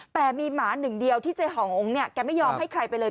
แต่มีหมาหนึ่งเดียวที่เจ๊หองเนี่ยแกไม่ยอมให้ใครไปเลย